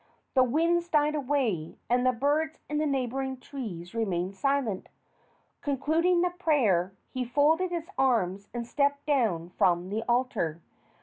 The winds died away and the birds in the neighboring trees remained silent. Concluding the prayer, he folded his arms and stepped down from the altar.